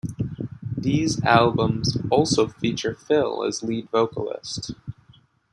These albums also feature Phil as lead vocalist.